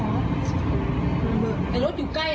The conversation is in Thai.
โอ้ตายรถอยู่ใกล้